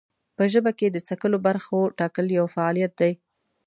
په ژبه کې د څکلو برخو ټاکل یو فعالیت دی.